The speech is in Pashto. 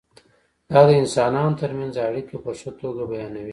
دا د انسانانو ترمنځ اړیکه په ښه توګه بیانوي.